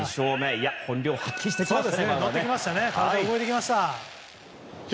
いや、本領を発揮してきました。